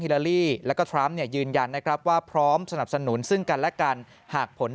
ลาลีแล้วก็ทรัมป์เนี่ยยืนยันนะครับว่าพร้อมสนับสนุนซึ่งกันและกันหากผล